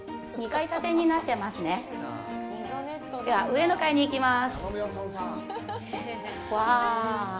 では、上の階に行きます。